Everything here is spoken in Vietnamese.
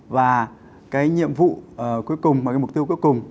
và cái nhiệm vụ cuối cùng và cái mục tiêu cuối cùng